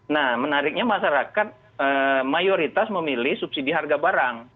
nah menariknya masyarakat mayoritas memilih subsidi harga barang